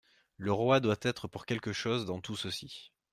Le roi doit être pour quelque chose dans tout ceci.